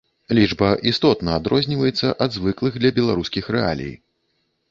Лічба істотна адрозніваецца ад звыклых для беларускіх рэалій.